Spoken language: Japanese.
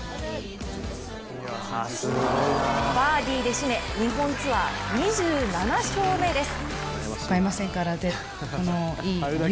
バーディーで締め日本ツアー２７勝目です。